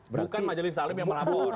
bukan majelis talim yang melapor